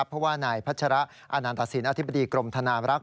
เพราะว่านายพัชระอานันตสินอธิบดีกรมธนารักษ